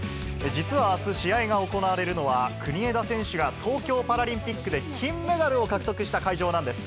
実はあす、試合が行われるのは、国枝選手が東京パラリンピックで金メダルを獲得した会場なんです。